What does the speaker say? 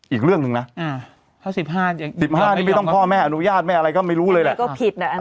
อีกเรื่องหนึ่งนะ๑๕นี่ไม่ต้องพ่อแม่อนุญาตแม่อะไรก็ไม่รู้เลยแหละก็ผิด